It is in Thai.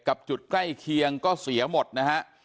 กับจุดใกล้เคียงก็เสียหมดนะครับ